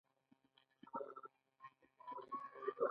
په ځینو کسبي څانګو لکه فلزاتو استخراج کې کار کیده.